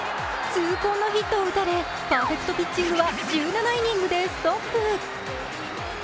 痛恨のヒットを打たれ、パーフェクトピッチングは１７イニングでストップ。